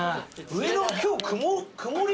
上の今日曇曇り。